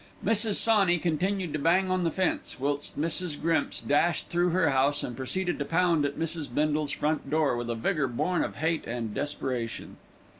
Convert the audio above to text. Mrs. Sawney continued to bang on the fence, whilst Mrs. Grimps dashed through her house and proceeded to pound at Mrs. Bindle's front door with a vigour born of hate and desperation.